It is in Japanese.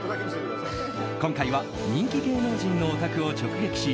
今回は人気芸能人のお宅を直撃し